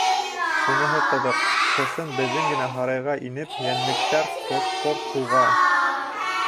Шуныһы ҡыҙыҡ: ҡышын беҙҙең генә һарайға инеп йәнлектәр ҡош-ҡорт һуға.